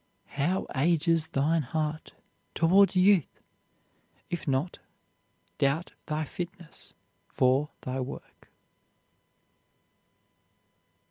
"How ages thine heart, towards youth? If not, doubt thy fitness for thy work."